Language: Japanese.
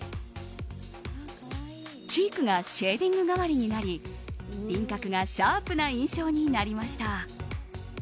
チークがシェーディング代わりになり輪郭がシャープな印象になりました。